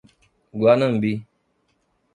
Guanambi